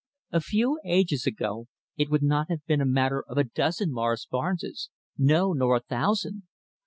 A few ages ago it would not have been a matter of a dozen Morris Barnes, no, nor a thousand!